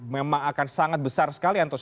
memang akan sangat besar sekali antusias